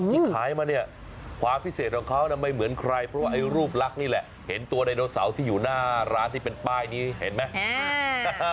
ที่ขายมาเนี่ยความพิเศษของเขาไม่เหมือนใครเพราะว่าไอ้รูปลักษณ์นี่แหละเห็นตัวไดโนเสาร์ที่อยู่หน้าร้านที่เป็นป้ายนี้เห็นไหม